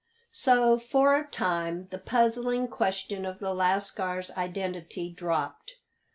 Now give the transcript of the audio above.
So, for a time, the puzzling question of the lascar's identity dropped.